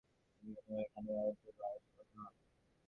জ্ঞান সর্বকালে এইখানেই, অজর ও অজাত।